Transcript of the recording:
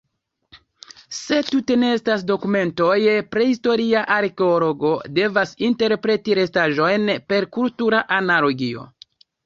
Se tute ne estas dokumentoj, prahistoria arkeologo devas interpreti restaĵojn per kultura analogio.